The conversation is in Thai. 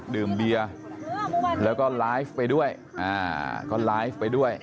ดื่มเบียร์ก็ไลย์ไฟด้วย